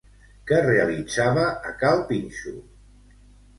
Què realitzava a cal Pinxo?